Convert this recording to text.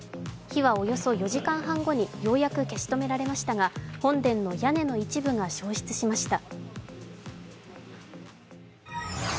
火はおよそ４時間半後にようやく消し止められましたが、本殿の屋根の一部が焼失しました。